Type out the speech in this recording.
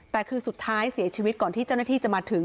แต่คือสุดท้ายเสียชีวิตก่อนที่เจ้าหน้าที่จะมาถึง